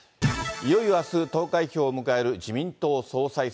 いよいよあす、投開票を迎える自民党総裁選。